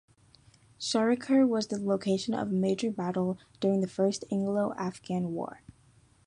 Charikar was the location of major battle during the First Anglo-Afghan War.